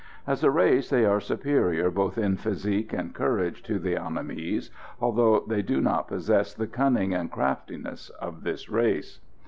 As a race they are superior both in physique and courage to the Annamese, although they do not possess the cunning and craftiness of this race.